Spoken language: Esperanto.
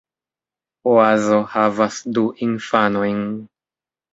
Oazo havas du infanojn.